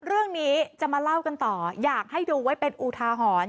เรื่องนี้จะมาเล่ากันต่ออยากให้ดูไว้เป็นอุทาหรณ์